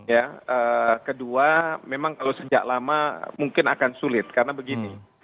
ya kedua memang kalau sejak lama mungkin akan sulit karena begini